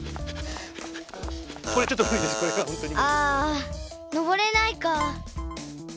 あのぼれないか。